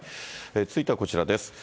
続いてはこちらです。